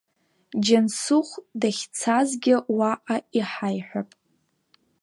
Џьансыхә дахьцазгьы уаҟа иҳаиҳәап.